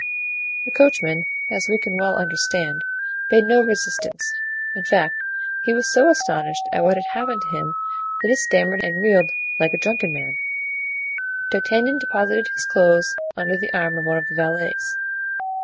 The coachman, as we can well understand, made no resistance; in fact, he was so astonished at what had happened to him that he stammered and reeled like a drunken man; D'Artagnan deposited his clothes under the arm of one of the valets.